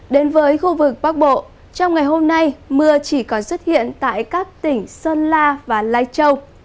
đến với khu vực bắc bộ trong ngày hôm nay mưa chỉ còn xuất hiện tại các tỉnh sơn la và lai châu